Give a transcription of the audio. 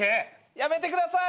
やめてください！